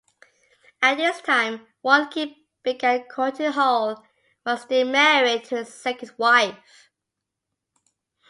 At this time, Warnke began courting Hall while still married to his second wife.